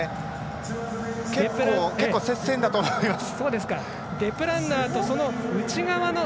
結構、接戦だと思います。